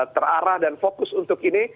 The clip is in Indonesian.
terarah dan fokus untuk ini